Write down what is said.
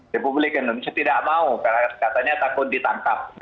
republik indonesia tidak mau karena katanya takut ditangkap